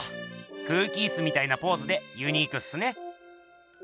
空気イスみたいなポーズでユニークっすね。